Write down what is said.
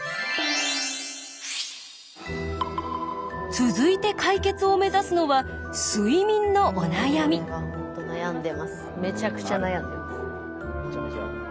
続いて解決を目指すのはめちゃくちゃ悩んでます。